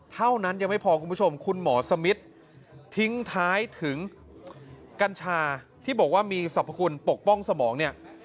เท่านั้นคนหมอสมิทร์ทิ้งท้ายถึงกัญชาที่บอกว่ามีสรรพคุณปกป้องสมอง